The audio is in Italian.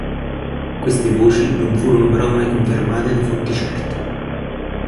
Queste voci non furono però mai confermate da fonti certe.